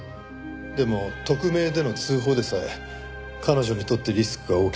でも匿名での通報でさえ彼女にとってリスクが大きすぎる。